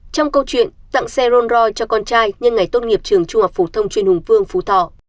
trong câu chuyện tặng xe rolls royce cho con trai nhân ngày tôn nghiệp trường trung học phổ thông truyền hùng phương phú thọ